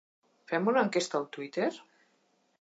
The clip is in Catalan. Fem una enquesta al Twitter?